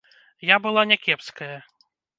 Я была не кепская.